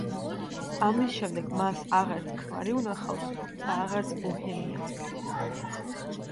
ამის შემდეგ მას აღარც ქმარი უნახავს და აღარც ბოჰემია.